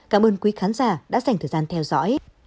cảm ơn quý khán giả đã dành thời gian theo dõi